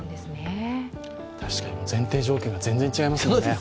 確かに、前提条件が全然違いますもんね。